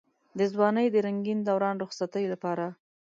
د ځوانۍ د رنګين دوران رخصتۍ لپاره.